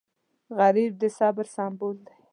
غریب د صبر سمبول دی